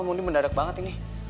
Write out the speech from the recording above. mondi mendadak banget ini